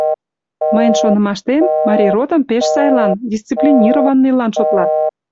Мыйын шонымаштем, Марий ротым пеш сайлан, дисциплинированныйлан шотлат.